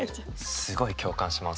すごい共感します。